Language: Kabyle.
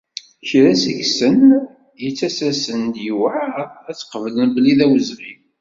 Kra seg-sen yettas-asen-d yewεer ad tt-qeblen belli d awezɣi.